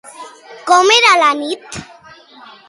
Com era la nit?